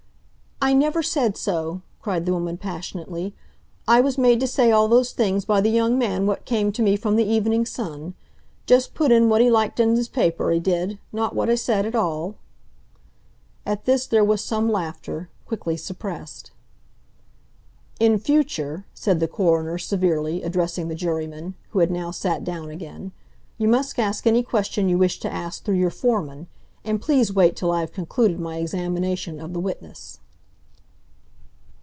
"I never said so!" cried the woman passionately. "I was made to say all those things by the young man what came to me from the Evening Sun. Just put in what 'e liked in 'is paper, 'e did—not what I said at all!" At this there was some laughter, quickly suppressed. "In future," said the coroner severely, addressing the juryman, who had now sat down again, "you must ask any question you wish to ask through your foreman, and please wait till I have concluded my examination of the witness."